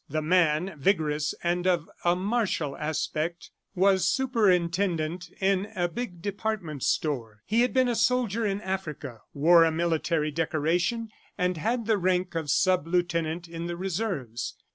The man, vigorous and of a martial aspect, was superintendent in a big department store. ... He had been a soldier in Africa, wore a military decoration, and had the rank of sub lieutenant in the Reserves.